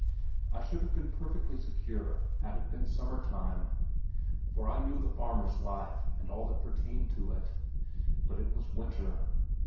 I should have been perfectly secure had it been summertime, for I knew the farmer's life and all that pertained to it, but it was winter.